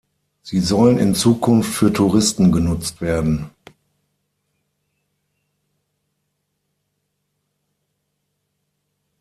Sie sollen in Zukunft für Touristen genutzt werden.